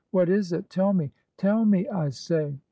What is it? Tell me! Tell me, I say!